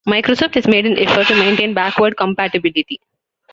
Microsoft has made an effort to maintain backward compatibility.